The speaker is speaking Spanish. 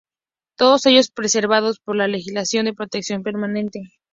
Todos ellos preservados por la Legislación de Protección Permanente.